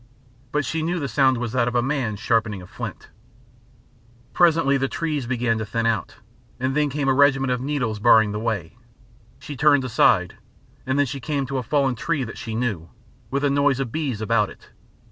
But she knew the sound was that of a man sharpening a flint. Presently the trees began to thin out, and then came a regiment of nettles barring the way. She turned aside, and then she came to a fallen tree that she knew, with a noise of bees about it.